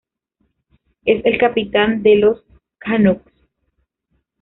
Es el capitán de los Canucks.